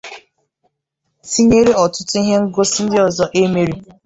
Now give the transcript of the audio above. tinyere ọtụtụ ihe ngosi ndị ọzọ e mere